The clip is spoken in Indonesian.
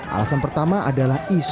alasan pertama adalah isu